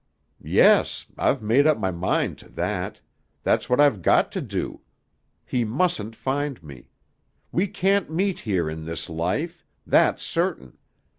"Yes. I've made up my mind to that. That's what I've got to do. He mustn't find me. We can't meet here in this life. That's certain.